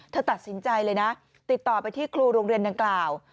เธอตัดสินใจเลยนะติดต่อไปที่ครูโรงเรียนดังกล่าว